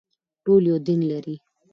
ټول یو دین لري